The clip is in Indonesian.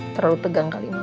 terlalu tegang kali ini